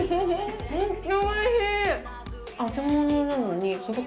めっちゃおいしい！